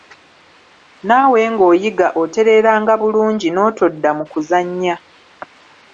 Naawe ng'oyiga otereranga bulungi, n'otodda mu kuzannya.